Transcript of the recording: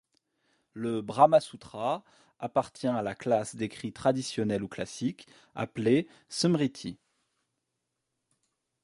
Le Brahma Sūtra appartient à la classe d'écrits traditionnels ou classiques appelée Smriti.